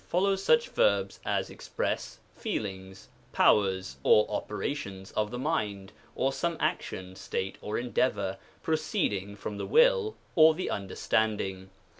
follows such verbs as express feelings^ powers^ or operations of the mind, or some action, state, or endeavor, proceeding from the will or the understanding.